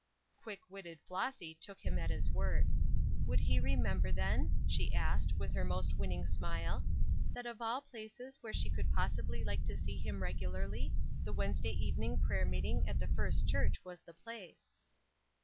Quick witted Flossy took him at his word. "Would he remember, then," she asked, with her most winning smile, "that of all places where she could possibly like to see him regularly, the Wednesday evening prayer meeting at the First Church was the place."